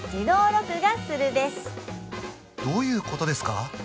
どういうことですか？